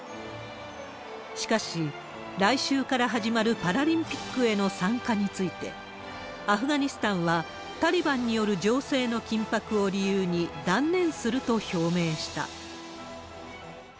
しかし、来週から始まるパラリンピックへの参加について、アフガニスタンは、タリバンによる情勢の緊迫を理由に、断念すると表明した。